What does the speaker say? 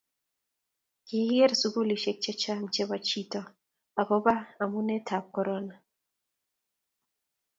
kikiker sukulisiek che chang' chebo chito akubo amunetab korona